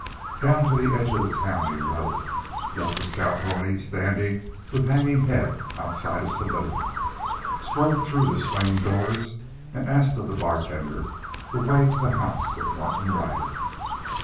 Down to the edge of the town he rode, left his cow pony standing with hanging head outside a saloon, strode through the swinging doors, and asked of the bartender the way to the house of Martin Ryder.